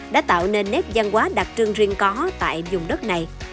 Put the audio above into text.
đã tạo nên nét văn hóa đặc trưng riêng có tại dùng đất này